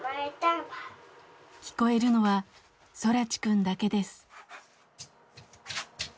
聞こえるのは空知くんだけです。